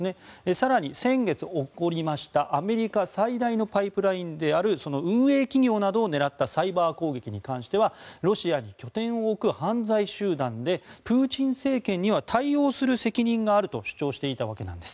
更に、先月起こりましたアメリカ最大のパイプラインであるその運営企業などを狙ったサイバー攻撃に関してはロシアに拠点を置く犯罪集団でプーチン政権には対応する責任があると主張していたんです。